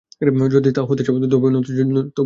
যদি তা হতে নতুন জায়গায় যেতে হয়, তবুও।